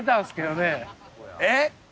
えっ？